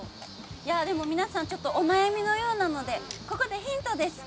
皆さんお悩みのようなのでここでヒントです。